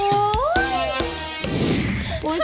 โอ้โฮสไกล